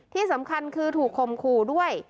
ที่สำคัญคือถูกคมขู่ด้วย